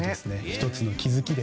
１つの気づきで。